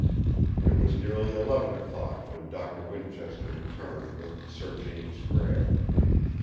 It was nearly eleven o'clock when Doctor Winchester returned with Sir James Frere.